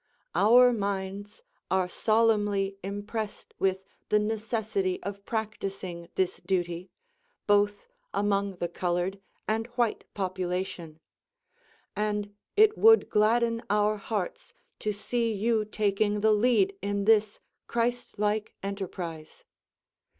Our minds are solemnly impressed with the necessity of practising this duty, both among the colored and white population, and it would gladden our hearts to see you taking the lead in this Christ like enterprise.